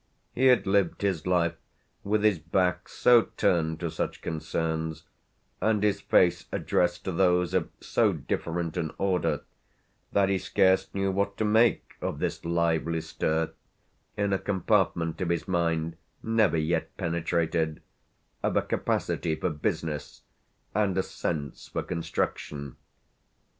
He had lived his life with his back so turned to such concerns and his face addressed to those of so different an order that he scarce knew what to make of this lively stir, in a compartment of his mind never yet penetrated, of a capacity for business and a sense for construction.